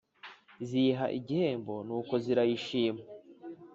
Ziyiha iguhembo nuko zirayishima